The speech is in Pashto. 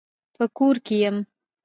په کور کي يم .